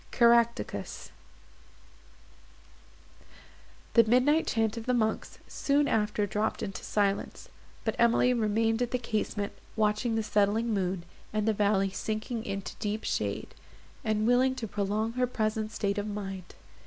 CARACTACUS The midnight chant of the monks soon after dropped into silence; but Emily remained at the casement, watching the setting moon, and the valley sinking into deep shade, and willing to prolong her present state of mind.